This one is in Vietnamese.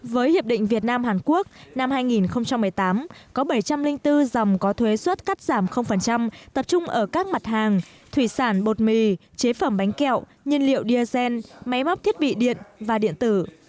với hiệp định việt nam hàn quốc năm hai nghìn một mươi tám có bảy trăm linh bốn dòng có thuế xuất cắt giảm tập trung ở các mặt hàng thủy sản bột mì chế phẩm bánh kẹo nhiên liệu diesel máy móc thiết bị điện và điện tử